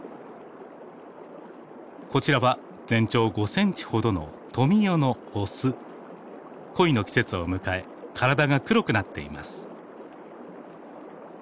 こちらは全長５センチほどの恋の季節を迎え体が黒くなっています。